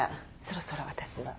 そろそろ私は。